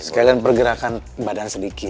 sekalian pergerakan badan sedikit